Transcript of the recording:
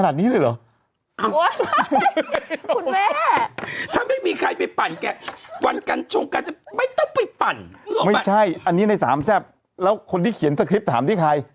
หยอกไปถ้าไม่มีใครไปนั่งปั่นพี่เบิร์ด